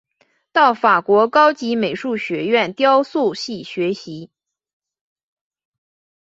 到法国高级美术学院雕塑系学习。